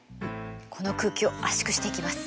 この空気を圧縮していきます。